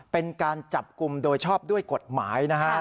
เป็นการจับกลุ่มโดยชอบด้วยกฎหมายนะฮะ